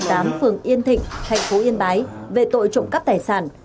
chú tại tổ tám phường yên thịnh thành phố yên bái về tội trộm cắp tài sản